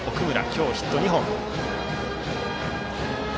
今日ヒットが２本。